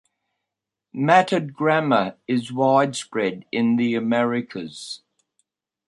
Matted grama is widespread in the Americas.